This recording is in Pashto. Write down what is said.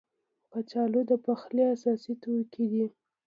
کچالو د پخلي اساسي توکي دي